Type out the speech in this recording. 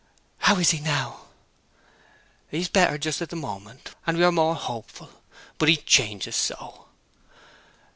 'How is he now?' 'He is better, just at this moment; and we are more hopeful. But he changes so.'